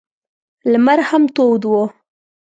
لمر هم تود و.